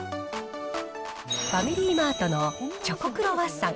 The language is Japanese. ファミリーマートのチョコクロワッサン